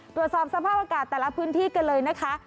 ตรวจสอบสภาพอากาศแต่ละพื้นที่กันเลยนะคะ